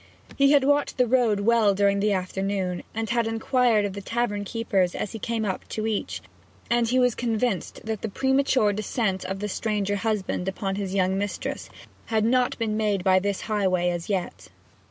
He had watched the road well during the afternoon, and had inquired of the tavern keepers as he came up to each, and he was convinced that the premature descent of the stranger husband upon his young mistress had not been made by this highway as yet.